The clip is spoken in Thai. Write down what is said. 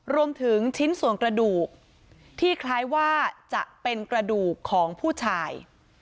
รวมถึงชิ้นส่วนกระดูกที่คล้ายว่าจะเป็นกระดูกของผู้ชาย